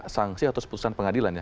sangsi atau seputusan pengadilan ya